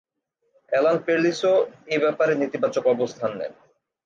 Alan পেরলিস-ও এ ব্যাপারে নেতিবাচক অবস্থান নেন।